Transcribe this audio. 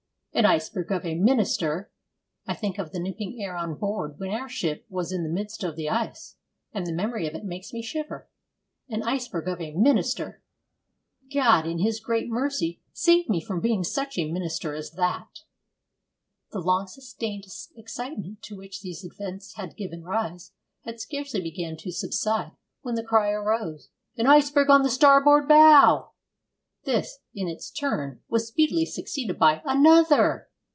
'An iceberg of a minister!' I think of the nipping air on board when our ship was in the midst of the ice; and the memory of it makes me shiver! 'An iceberg of a minister!' God, in His great mercy, save me from being such a minister as that! The long sustained excitement to which these events had given rise had scarcely begun to subside when the cry arose, 'An iceberg on the starboard bow!' This, in its turn, was speedily succeeded by 'Another!'